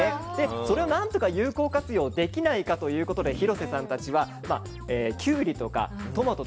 それを何とか有効活用できないかということで廣瀬さんたちはキュウリとかトマトとかいろいろ試しました。